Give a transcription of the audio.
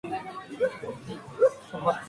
骂谁汉奸